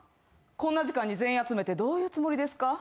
こんな時間に全員集めてどういうつもりですか？